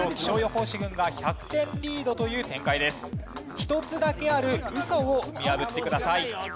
１つだけあるウソを見破ってください。